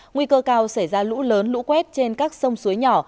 nguy cơ cao xảy ra lũ lớn lũ quét trên các sông suối nhỏ